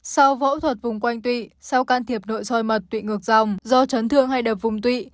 sau phẫu thuật vùng quanh tụy sau can thiệp nội soi mật tụy ngược dòng do chấn thương hay đập vùng tụy